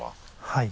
はい。